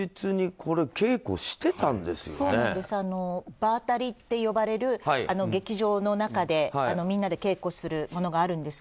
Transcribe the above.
場当たりと呼ばれる、劇場の中でみんなで稽古するものがあるんですが。